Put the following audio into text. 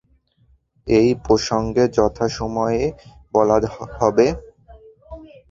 এই প্রসঙ্গে যথাসময়ে বলা হবে।